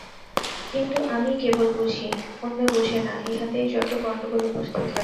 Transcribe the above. কিন্তু আমিই কেবল বুঝি, অন্যে বুঝে না, ইহাতেই যত গণ্ডগোল উপস্থিত হয়।